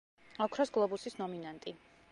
ოქროს გლობუსის ნომინანტი.